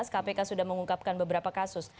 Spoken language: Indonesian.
kpk sudah mengungkapkan beberapa kasus